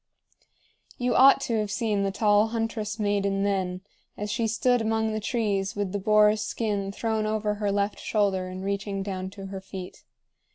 You ought to have seen the tall huntress maiden then, as she stood among the trees with the boar's skin thrown over her left shoulder and reaching down to her feet.